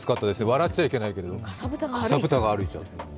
笑っちゃいけないけどかさぶたが歩いちゃう。